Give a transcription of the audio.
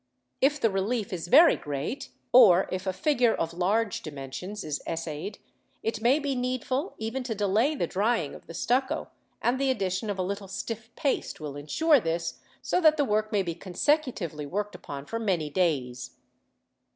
If the relief is very great, or if a figure of large dimensions is essayed, it may be needful even to delay the drying of the stucco, and the addition of a little stiff paste will insure this, so that the work may be consecutively worked upon for many days.